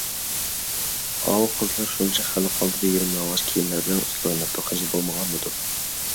ئاۋۇ قىزلار شۇنچە خەلق ئالدىدا يېرىم يالىڭاچ كىيىملەر بىلەن ئۇسسۇل ئويناپتۇ، خىجىل بولمىغانمىدۇ؟